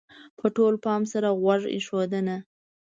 -په ټول پام سره غوږ ایښودنه: